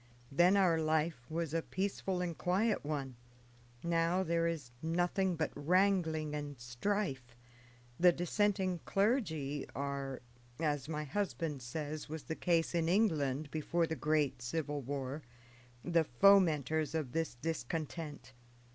Then our life was a peaceful and quiet one; now there is nothing but wrangling and strife. The dissenting clergy are, as my husband says was the case in England before the great civil war, the fomenters of this discontent.